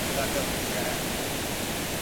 رابللي یې څو ښځي له دباندي !.